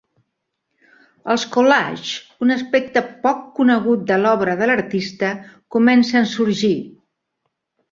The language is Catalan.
Els "collages", un aspecte poc conegut de l'obra de l'artista, comencen sorgir.